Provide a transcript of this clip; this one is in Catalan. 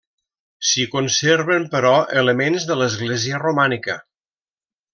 S'hi conserven, però, elements de l'església romànica.